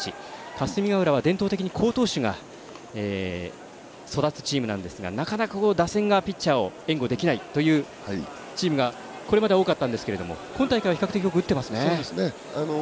霞ヶ浦は伝統的に好投手が育つチームなんですがなかなか打線がピッチャーを援護できないというチームがこれまでは多かったんですが今大会は比較的よく打ってますね。